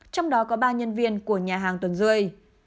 trong đó có ba nhân viên của nhà hàng tuần rươi